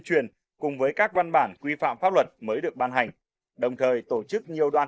truyền cùng với các văn bản quy phạm pháp luật mới được ban hành đồng thời tổ chức nhiều đoàn